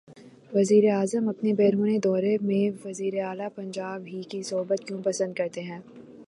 وزیراعظم اپنے بیرونی دورے میں وزیر اعلی پنجاب ہی کی صحبت کیوں پسند کرتے ہیں؟